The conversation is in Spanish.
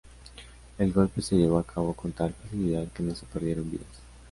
El golpe se llevó a cabo con tal facilidad que no se perdieron vidas.